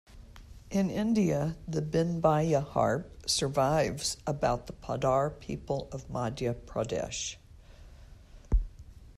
In India, the "bin-baia" harp survives about the Padhar people of Madhya Pradesh.